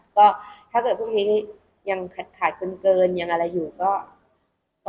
ก็ถ้าเกิดพรุ่งนี้ยังขาดเกินยังอะไรอยู่ก็